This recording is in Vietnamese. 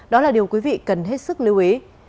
đó là điều quý vị cần hết sức lưu ý